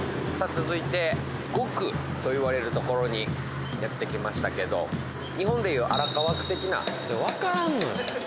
続いて５区といわれる所にやって来ましたけど日本でいう荒川区的なわからんのよ